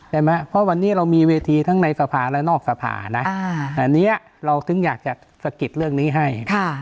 ไหมเพราะวันนี้เรามีเวทีทั้งในสภาและนอกสภานะอันนี้เราถึงอยากจะสะกิดเรื่องนี้ให้